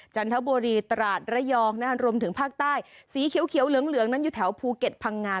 จันทบุรีตราดระยองรวมถึงภาคใต้สีเขียวเหลืองนั้นอยู่แถวภูเก็ตพังงา